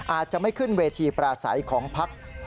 อาจจะไม่ขึ้นเวทีปลาใสของพลักษณ์